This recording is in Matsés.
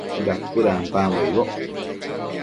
Dacuëdampambo icboc